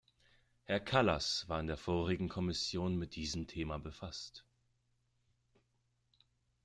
Herr Kallas war in der vorherigen Kommission mit diesem Thema befasst.